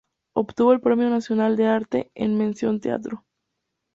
Obtuvo el Premio Nacional de Arte en Mención Teatro.